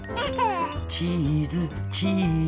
チーズチーズ！